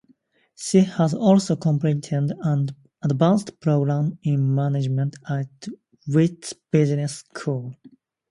She has also completed an advanced programme in management at Wits Business School.